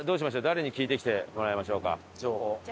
誰に聞いてきてもらいましょうか。